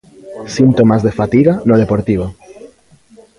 Síntomas de fatiga no Deportivo.